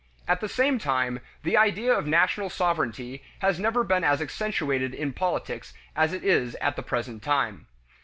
At the same time, the idea of national sovereignty has never been as accentuated in politics as it is at the present time.